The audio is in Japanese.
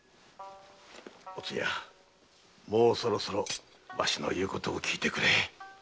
もうそろそろわしの言うことをきいてくれ〕